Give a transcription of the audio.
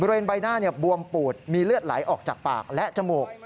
ใบหน้าบวมปูดมีเลือดไหลออกจากปากและจมูก